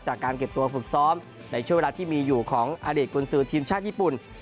จากการเก็บตัวฝึกซ้อมในช่วงเวลาที่มีอยู่ของอดีตกุญสือทีมชาติญี่ปุ่น